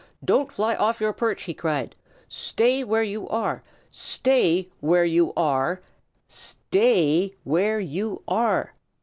"Don't fly off your perch!" he cried. "Stay where you are! Stay where where you are! STAY WHERE YOU ARE!"